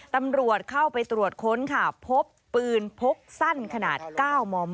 ตำรวจเข้าไปตรวจค้นค่ะพบปืนพกสั้นขนาด๙มม